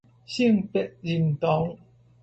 性別認同